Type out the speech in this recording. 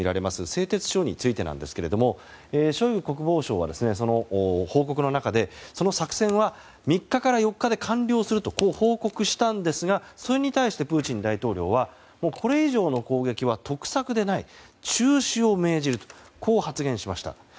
製鉄所についてなんですがショイグ国防相はその報告の中でその作戦は３日から４日で完了すると報告したんですがそれに対してプーチン大統領はこれ以上の攻撃は得策でない中止を命じると発言しました。